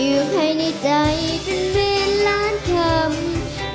อยู่ให้ในใจจนมีล้านคำ